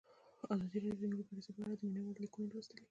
ازادي راډیو د مالي پالیسي په اړه د مینه والو لیکونه لوستي.